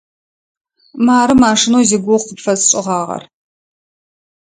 Мары машинэу зигугъу къыпфэсшӏыгъагъэр.